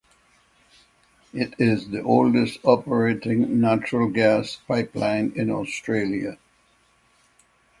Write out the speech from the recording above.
It is the oldest operating natural gas pipeline in Australia.